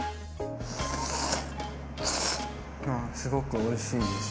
すごくおいしいです。